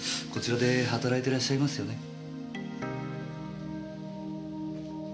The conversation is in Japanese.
こちらで働いてらっしゃいますよね？